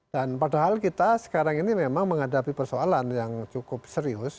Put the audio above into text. dan padahal kita sekarang ini memang menghadapi persoalan yang cukup serius